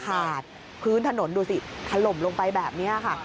พื้นถนนดูสิถล่มลงไปแบบนี้ค่ะ